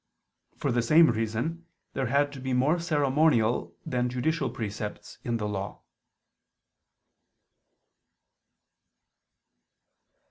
For the same reason there had to be more ceremonial than judicial precepts in the Law.